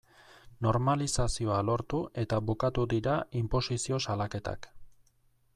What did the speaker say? Normalizazioa lortu eta bukatu dira inposizio salaketak.